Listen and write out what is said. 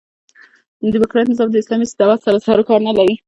ډيموکراټ نظام د اسلامي دعوت سره سر و کار نه لري.